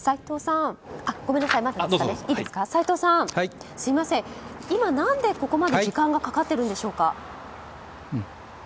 斎藤さん、今何でここまで時間がかかっているんでしょうか。